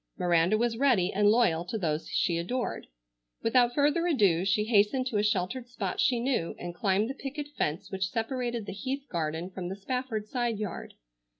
Miranda was ready and loyal to those she adored. Without further ado she hastened to a sheltered spot she knew and climbed the picket fence which separated the Heath garden from the Spafford side yard.